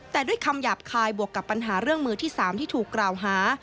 แต่ด้วยคำหยาบคายบวกกับปัญหาเรื่องมือที่๓ที่ถูกกล่าวหา